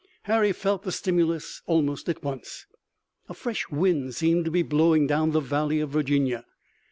Harry felt the stimulus almost at once. A fresh wind seemed to be blowing down the Valley of Virginia.